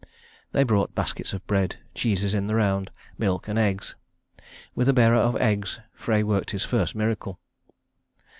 They brought baskets of bread, cheeses in the round, milk and eggs. With a bearer of eggs Frey worked his first miracle.